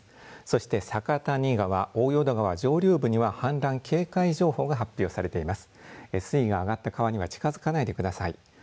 そして酒谷川、大淀川上流部には氾濫警戒情報が発表されています。